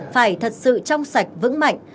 phải thật sự trong sạch vững mạnh